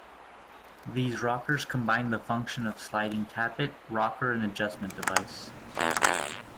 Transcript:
These rockers combined the function of sliding tappet, rocker and adjustment device.